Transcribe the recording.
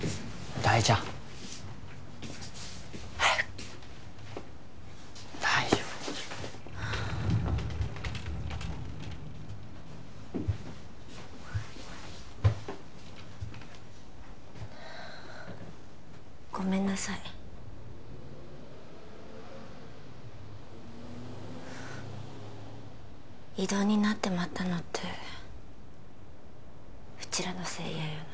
大丈夫はあごめんなさい異動になってまったのってうちらのせいやよな？